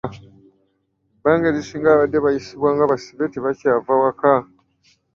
“Ebbanga erisinga babadde bayisibwa nga basibe". Tebakyava waka"